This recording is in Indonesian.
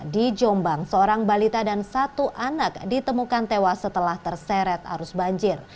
di jombang seorang balita dan satu anak ditemukan tewas setelah terseret arus banjir